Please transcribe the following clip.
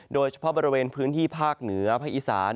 โดยเฉพาะบริเวณพื้นที่ภาคเหนือภาคอีสาน